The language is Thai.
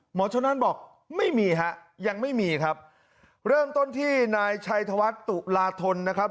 ชนนั่นบอกไม่มีฮะยังไม่มีครับเริ่มต้นที่นายชัยธวัฒน์ตุลาธนนะครับ